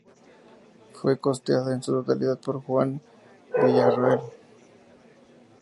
Fue costeada en su totalidad por Juan de Villarroel.